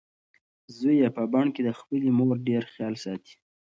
زوی یې په بن کې د خپلې مور ډېر خیال ساتي.